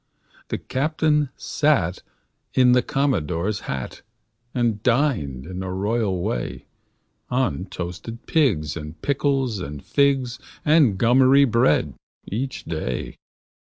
The captain sat in a commodore's hat And dined, in a royal way, On toasted pigs and pickles and figs And gummery bread, each day.